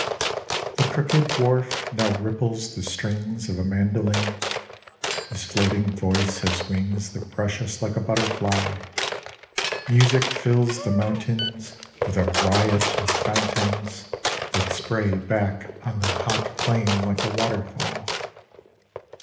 The crooked dwarf now ripples the strings of a mandoline. His floating voice has wings that brush us like a butterfly; Music fills the mountains With a riot of fountains That spray back on the hot plain like a waterfall.